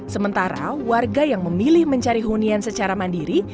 sementara warga yang memilih mencari hunian secara mandiri